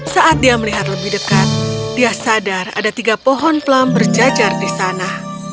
saat dia melihat lebih dekat dia sadar ada tiga pohon pelam berjajar di sana